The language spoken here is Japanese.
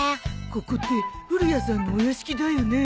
ここって古谷さんのお屋敷だよね？